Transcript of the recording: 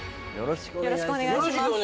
よろしくお願いします。